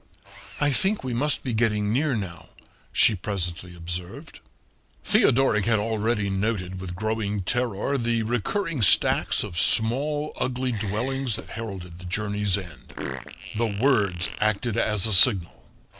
"I think we must be getting near now," she presently observed. Theodoric had already noted with growing terror the recurring stacks of small, ugly dwellings that heralded the journey's end. The words acted as a signal.